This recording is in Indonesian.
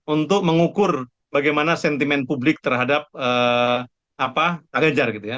untuk mengukur bagaimana sentimen publik terhadap pak ganjar gitu ya